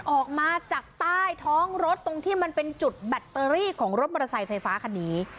ออกมาจากใต้ท้องรถตรงที่มันเป็นจุดแบตเตอรี่ของรถมอเตอร์ไซค์ไฟฟ้าคันนี้